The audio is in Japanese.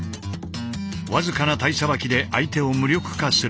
僅かな体捌きで相手を無力化する。